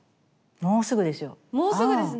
もうすぐですね。